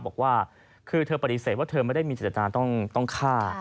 บอกว่าคือเธอปฏิเสธว่าเธอไม่ได้มีจิตอาต้องฆ่า